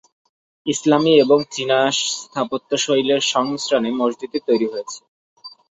ইসলামি এবং চীনা স্থাপত্যশৈলীর সংমিশ্রণে মসজিদটি তৈরি হয়েছে।